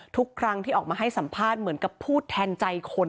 ทุกครั้งที่ออกมาให้สัมภาษณ์เหมือนกับพูดแทนใจคน